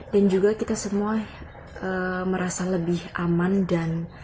dan juga kita semua merasa lebih aman dan